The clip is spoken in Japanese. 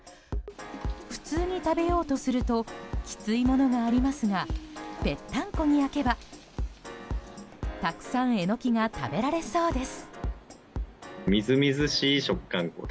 普通に食べようとするときついものがありますがぺったんこに焼けば、たくさんエノキが食べられそうです。